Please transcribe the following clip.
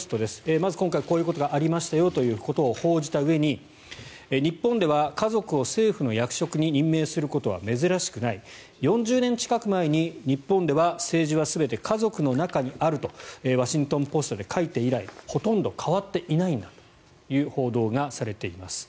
まず今回こういうことがありましたよと報じたうえに、日本では家族を政府の役職に任命することは珍しくない４０年近く前に、日本では政治は全て家族の中にあるとワシントン・ポストで書いて以来ほとんど変わっていないんだという報道がされています。